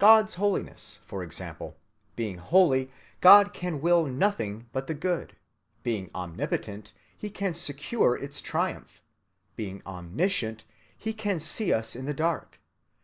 God's holiness, for example: being holy, God can will nothing but the good. Being omnipotent, he can secure its triumph. Being omniscient, he can see us in the dark.